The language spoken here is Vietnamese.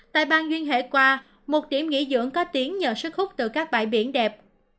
tại bang duyên hải qua một điểm nghỉ dưỡng có tiếng nhờ sức hút từ các bãi biển đẹp